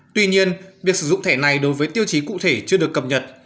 tuy nhiên việc sử dụng thẻ này đối với tiêu chí cụ thể chưa được cập nhật